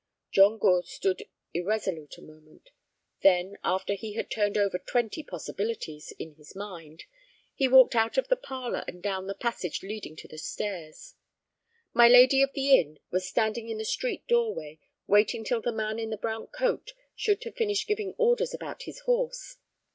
John Gore stood irresolute a moment. Then, after he had turned over twenty possibilities in his mind, he walked out of the parlor and down the passage leading to the stairs. My lady of the inn was standing in the street doorway, waiting till the man in the brown coat should have finished giving orders about his horse.